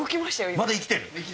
今まだ生きてる？